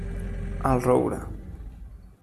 El Roure.